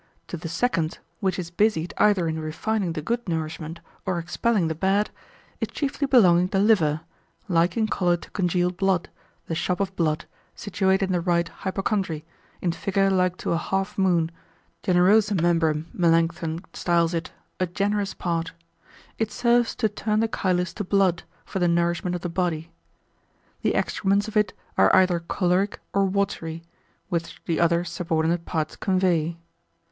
To the second, which is busied either in refining the good nourishment or expelling the bad, is chiefly belonging the liver, like in colour to congealed blood, the shop of blood, situate in the right hypochondry, in figure like to a half moon, generosum membrum Melancthon styles it, a generous part; it serves to turn the chylus to blood, for the nourishment of the body. The excrements of it are either choleric or watery, which the other subordinate parts convey.